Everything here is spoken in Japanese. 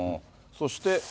そして。